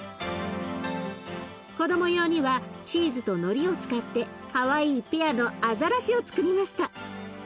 子ども用にはチーズとのりを使ってかわいいペアのアザラシをつくりました。